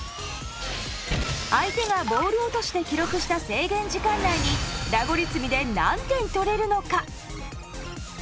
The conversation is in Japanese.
相手がボール落としで記録した制限時間内にラゴリ積みで何点取れるのか？